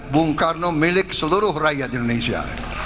bungkarno milik seluruh rakyat indonesia